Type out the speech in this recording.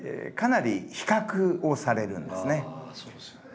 ああそうですよね。